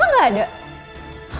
aku nih selalu sendiri kak